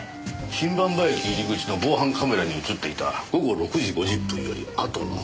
新馬場駅入り口の防犯カメラに映っていた午後６時５０分よりあとの。